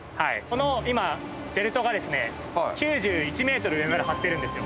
この今ベルトがですね９１メートル上まで張ってるんですよ。